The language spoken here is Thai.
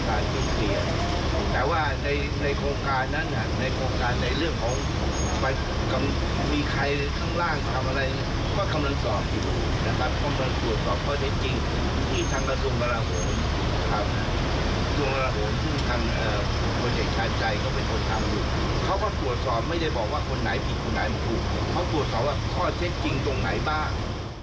เขาตรวจสอบว่าข้อเช็คจริงตรงไหนบ้าง